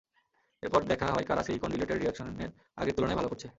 এরপর দেখা হয় কারা সিলিকন রিলেটেড রিয়েকশনের আগের তুলনায় ভাল করছে।